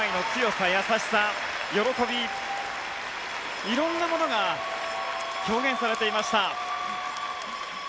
三原舞依の強さ、優しさ、喜びいろんなものが表現されていました。